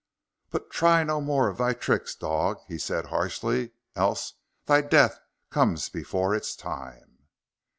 "But try no more of thy tricks, dog!" he said harshly. "Else thy death come before its time!"